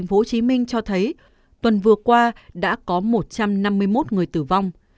tp hcm cho thấy tuần vừa qua đã có một trăm năm mươi một người tử vong